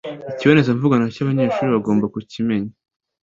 Ikibonezamvugo nacyo abanyeshuri bagomba kukimenya